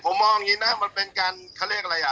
ผมมองงี้นะมันเป็นการ